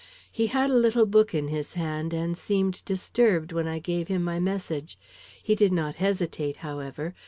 He had a little book in his hand, and seemed disturbed when I gave him my message. He did not hesitate, however.